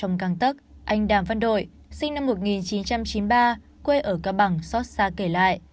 trong căng tấc anh đàm văn đội sinh năm một nghìn chín trăm chín mươi ba quê ở cao bằng xót xa kể lại